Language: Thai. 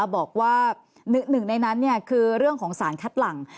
บอกว่าหนึ่งในนั้นคือเรื่องของสารคัดหลัง